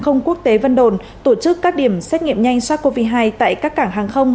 không quốc tế vân đồn tổ chức các điểm xét nghiệm nhanh sars cov hai tại các cảng hàng không